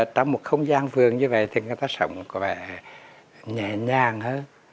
trong một không gian vườn như vậy thì người ta sống có vẻ nhẹ nhàng hơn